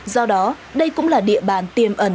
do đó đây cũng là địa bàn tiềm ẩn